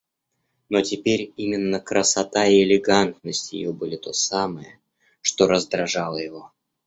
Но теперь именно красота и элегантность ее были то самое, что раздражало его.